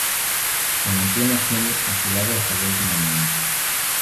Se mantiene fiel a su lado hasta el último momento.